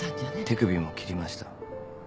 手首も切りました。